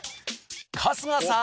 春日さん